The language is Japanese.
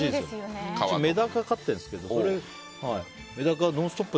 メダカ飼ってるんですけどメダカ、「ノンストップ！」